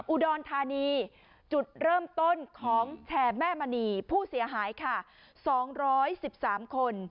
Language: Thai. อุดรธานีจุดเริ่มต้นของแชร์แม่มณีผู้เสียหายค่ะ๒๑๓คน